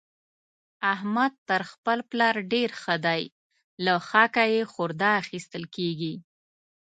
احمد تر خپل پلار ډېر ښه دی؛ له خاکه يې خورده اخېستل کېږي.